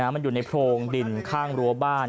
มันอยู่ในโพรงดินข้างรั้วบ้าน